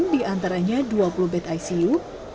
di antaranya dua puluh bed icu